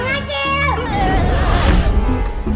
lempur aja mah belum berjagung